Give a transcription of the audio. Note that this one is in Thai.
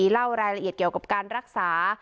เล่ารายละเอียดเกี่ยวกับการรักษา